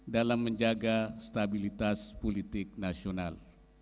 dalam menjaga stabilitas politik nasional